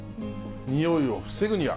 においを防ぐには。